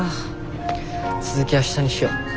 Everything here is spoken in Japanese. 続き明日にしよ。